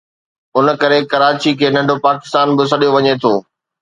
ان ڪري ڪراچي کي ”ننڍو پاڪستان“ به سڏيو وڃي ٿو